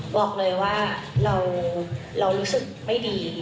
บอกเลยว่าเรารู้สึกไม่ดี